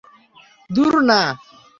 ধূর, না।